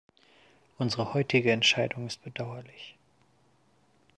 Unsere heutige Entscheidung ist bedauerlich.